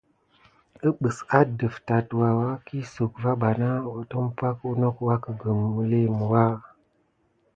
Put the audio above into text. Əɓes adəf tatwaha qn kiso va bana tumpay nok akukume milimuya.